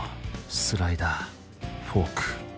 スライダーフォーク